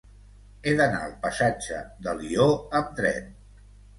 He d'anar al passatge d'Alió amb tren.